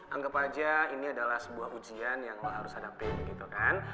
anggap aja ini adalah sebuah ujian yang harus hadapi gitu kan